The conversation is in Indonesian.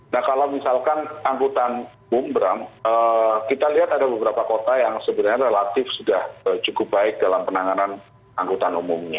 nah kalau misalkan angkutan umum bram kita lihat ada beberapa kota yang sebenarnya relatif sudah cukup baik dalam penanganan angkutan umumnya